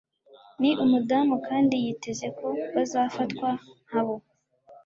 Ni umudamu kandi yiteze ko bazafatwa nkabo.